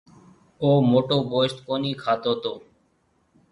او موٽو گوشت ڪونَي کاتو تو۔